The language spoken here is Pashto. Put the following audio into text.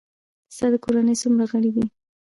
ستا د کورنۍ څومره غړي دي؟